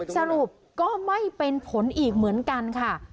สรุปก็ไม่เป็นผลอีกเหมือนกันค่ะ